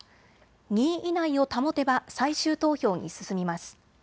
２位以内を保てば最終投票に進みます。